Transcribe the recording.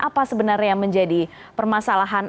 apa sebenarnya yang menjadi permasalahan